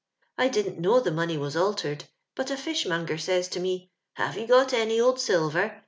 I didn't kuow the money was altered, but a fish monger saya to mo, ' Have you got any old ailver